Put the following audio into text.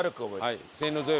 はい。